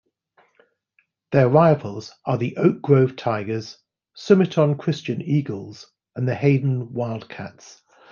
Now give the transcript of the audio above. Their rivals are the Oak Grove Tigers, Sumiton Christian Eagles, and the Hayden Wildcats.